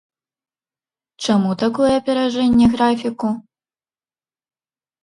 Чаму такое аперажэнне графіку?